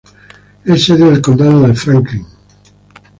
Es sede del condado de Franklin.